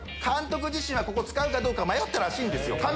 監督自身はここ使うかどうか迷ったらしいんですよ。